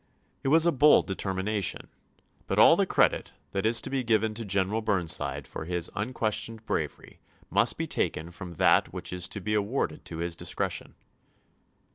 It was a bold determination, but all the credit that is to be given to General Burn side for his unquestioned bravery must be taken from that which is to be awarded to his discretion.